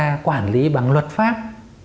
sẽ quản lý bằng luật pháp